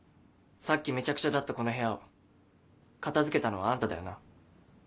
さっきめちゃくちゃだったこの部屋を片付けたのはあんただよな？